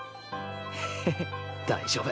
ヘッヘヘ大丈夫。